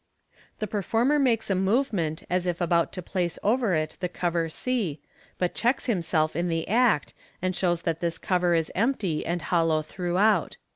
The per former makes a movement as if about to j^jj© over it the cover C but checks himself in the act, and shows that this cover is empty and hollow throughout.